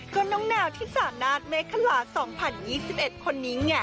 ก็น้องนาวที่สานาทเมฆคลา๒๐๒๑คนนี้ไง